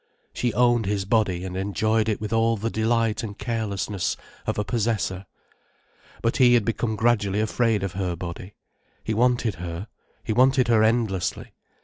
She owned his body and enjoyed it with all the delight and carelessness of a possessor. But he had become gradually afraid of her body. He wanted her, he wanted her endlessly.